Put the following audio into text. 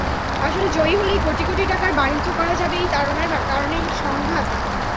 আসলে জয়ী হলেই কোটি কোটি টাকার বাণিজ্য করা যাবে-এই তাড়নার কারণেই সংঘাত।